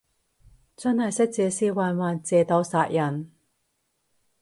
真係識借屍還魂，借刀殺人